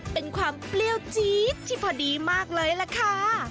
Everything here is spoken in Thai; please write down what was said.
เป็นความเปรี้ยวจี๊ดที่พอดีมากเลยล่ะค่ะ